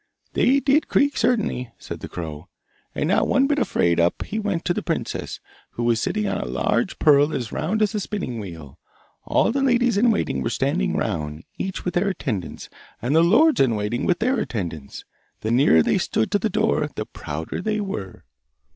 'They did creak, certainly!' said the crow. 'And, not one bit afraid, up he went to the princess, who was sitting on a large pearl as round as a spinning wheel. All the ladies in waiting were standing round, each with their attendants, and the lords in waiting with their attendants. The nearer they stood to the door the prouder they were.